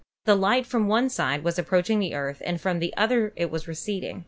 The light from one side was approaching the Earth and from the other it was receding.